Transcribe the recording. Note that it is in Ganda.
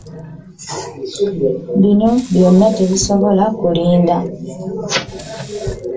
Bino byonna tebisobola kulinda.